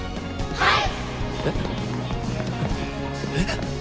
はい！